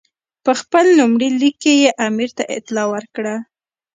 په خپل لومړي لیک کې یې امیر ته اطلاع ورکړه.